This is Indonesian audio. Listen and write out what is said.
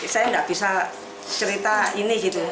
saya nggak bisa cerita ini gitu